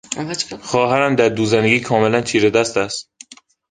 خواهرم در دوزندگی کاملا چیرهدست است.